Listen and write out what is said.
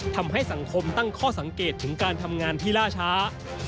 ทำให้สังคมตั้งข้อสังเกตถึงการทำงานที่ล่าช้า